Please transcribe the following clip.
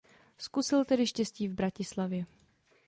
Zkusil tedy štěstí v Bratislavě.